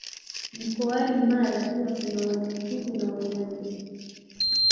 mkoani Mara pia kuna Wanyaturu na Wanandi